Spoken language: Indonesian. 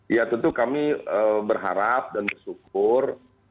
ya tentu kami berharap dan bersyukur